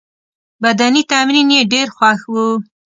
بدني تمرین یې ډېر خوښ وو.